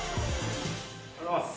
おはようございます。